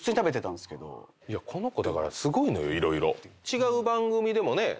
違う番組でもね。